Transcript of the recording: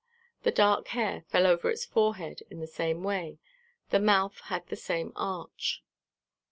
The dark hair fell over its forehead in the same way, the mouth had the same arch.